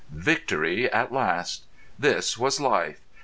Victory at last! This was life!